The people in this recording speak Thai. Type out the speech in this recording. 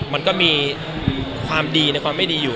มันก็มีความดีในความไม่ดีอยู่